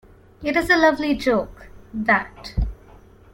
It is a lovely joke, that.